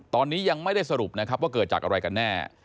ตอนนี้ยังไม่ได้สรุปนะครับว่าเกิดจากอะไรกันแน่